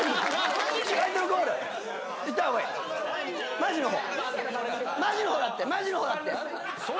マジの方？